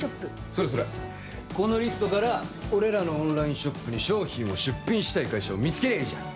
それそれこのリストから俺らのオンラインショップに商品を出品したい会社を見つけりゃいいじゃん